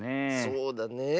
そうだねえ。